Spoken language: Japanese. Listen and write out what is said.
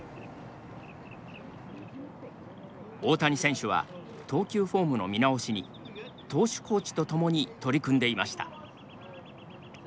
大谷選手は投球フォームの見直しに投手コーチと共に取り組んでいました。